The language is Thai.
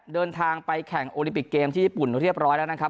เดินทางไปแข่งโอลิมปิกเกมที่ญี่ปุ่นเรียบร้อยแล้วนะครับ